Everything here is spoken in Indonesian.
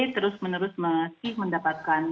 terus menerus masih mendapatkan